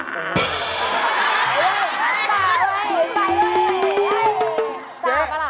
คัดปากเลย